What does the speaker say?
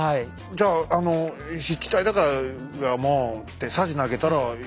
じゃああの湿地帯だからもうってさじ投げたらそうですね。